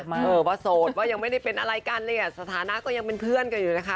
เออว่าโสดว่ายังไม่ได้เป็นอะไรกันเลยอ่ะสถานะก็ยังเป็นเพื่อนกันอยู่นะคะ